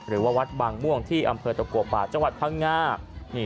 หรือว่าวัดบางม่วงที่อำเภอตะกัวป่าจังหวัดพังงา